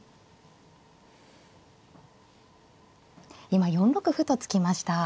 今４六歩と突きました。